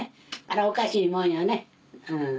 あれおかしいもんよねうん。